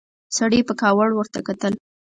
سړي په کاوړ ورته وکتل.